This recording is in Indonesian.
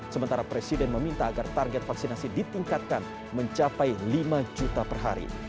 sementara presiden meminta agar target vaksinasi ditingkatkan mencapai lima juta per hari